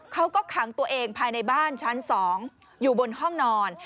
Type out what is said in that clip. เขาก็ขังตัวเองภายในบ้านชั้น๒อยู่บนห้องนอน